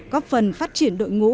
có phần phát triển đội ngũ